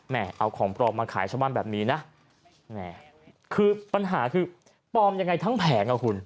เอาของปลอมมาขายชาวบ้านแบบนี้นะแหมคือปัญหาคือปลอมยังไงทั้งแผงอ่ะคุณ